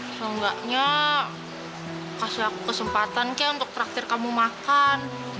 kalau enggaknya kasih aku kesempatan ke untuk traktir kamu makan